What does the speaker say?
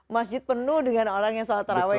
masjid penuh dengan orang yang salat terawai